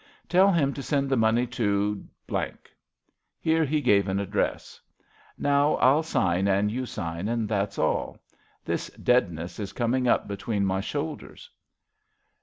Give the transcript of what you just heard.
Tell him to send the money to " Here he gave an address. Now I'll sign and you sign, and that's all. This deadness is coming up between my shoulders."